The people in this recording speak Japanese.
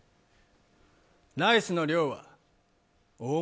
ライスの量は。